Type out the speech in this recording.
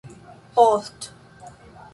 post